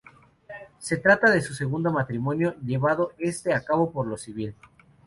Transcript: Se trata de su segundo matrimonio, llevado este a cabo por lo civil.